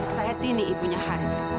saya tini ibunya haris